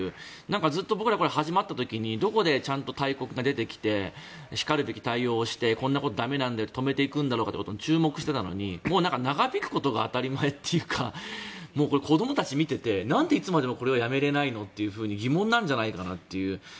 ずっと僕ら、始まった時にどこでちゃんと大国が出てきてしかるべき対応をしてこんなこと駄目なんだよって止めていくのかって注目していたのに長引くことが当たり前というか子どもたち、見ててなんでいつまでもやめられないの？と疑問なんじゃないかなっていう。